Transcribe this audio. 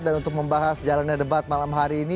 dan untuk membahas jalannya debat malam hari ini